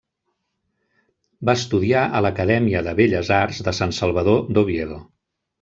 Va estudiar a l’Acadèmia de Belles Arts de Sant Salvador, d'Oviedo.